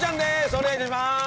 お願いいたします！